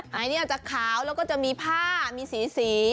อันนี้อาจจะขาวแล้วก็จะมีผ้ามีสี